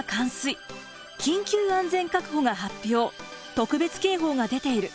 「特別警報」が出ている。